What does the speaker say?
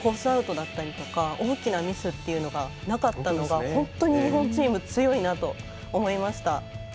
アウトだったりとか大きなミスっていうのがなかったのが本当に日本チーム強いなと思いました。